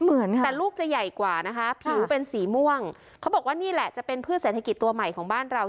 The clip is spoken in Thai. เหมือนค่ะแต่ลูกจะใหญ่กว่านะคะผิวเป็นสีม่วงเขาบอกว่านี่แหละจะเป็นพืชเศรษฐกิจตัวใหม่ของบ้านเรา